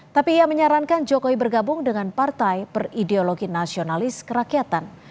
tapi ia menyarankan jokowi bergabung dengan partai perideologi nasionalis kerakyatan